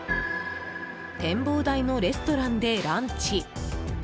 展望台のレストランでランチ。